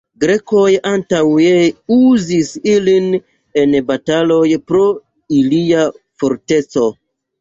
Grekoj antaŭe uzis ilin en bataloj pro ilia forteco.